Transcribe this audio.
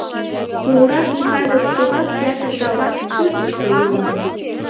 Кугурак Михайлов тугак ятыр жаплан службышто йомын.